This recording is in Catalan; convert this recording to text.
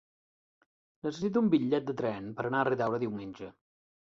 Necessito un bitllet de tren per anar a Riudaura diumenge.